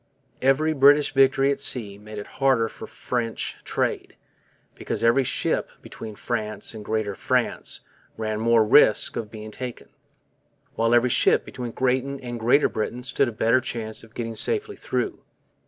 Every British victory at sea made it harder for French trade, because every ship between France and Greater France ran more risk o being taken, while every ship between Britain and Greater Britain stood a better chance of getting safely through.